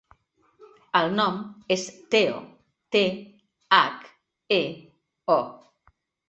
El nom és Theo: te, hac, e, o.